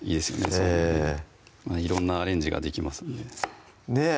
そうめん色んなアレンジができますもんねねぇ